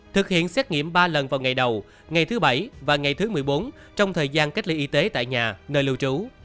thực hiện xét nghiệm ba lần vào ngày đầu ngày thứ bảy và ngày thứ một mươi bốn trong thời gian cách ly y tế tại nhà nơi lưu trú